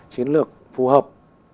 chiến lược phù hợp